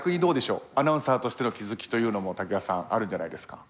アナウンサーとしての気づきというのも瀧川さんあるんじゃないですか。